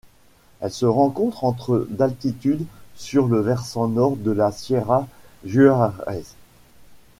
Elle se rencontre entre et d'altitude sur le versant Nord de la Sierra Juárez.